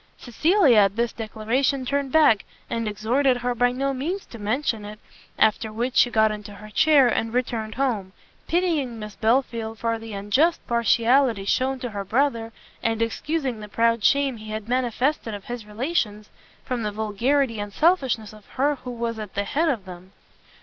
Cecilia at this declaration turned back, and exhorted her by no means to mention it; after which she got into her chair, and returned home; pitying Miss Belfield for the unjust partiality shewn to her brother, and excusing the proud shame he had manifested of his relations, from the vulgarity and selfishness of her who was at the head of them.